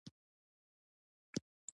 موږ په چټکۍ سره نومونه یادولی شو.